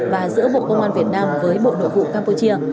và giữa bộ công an việt nam với bộ nội vụ campuchia